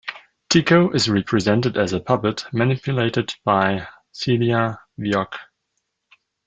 Tico is represented as a puppet manipulated by Celia Vioque.